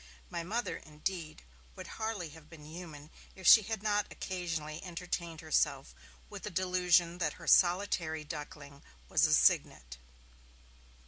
My Mother, indeed, would hardly have been human if she had not occasionally entertained herself with the delusion that her solitary duckling was a cygnet.